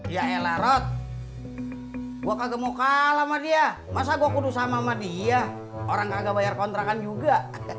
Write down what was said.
yaelah rot gue kagak mau kalah sama dia masa gue kudus sama sama dia orang kagak bayar kontrakan juga